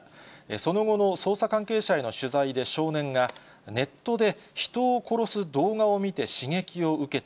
その後の捜査関係者への取材で少年が、ネットで人を殺す動画を見て刺激を受けた。